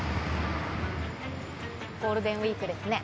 ゴールデンウィークですね。